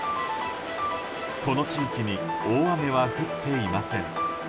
この地域に大雨は降っていません。